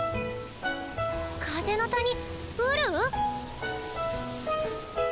風の谷ウル？